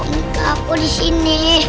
ini kak aku di sini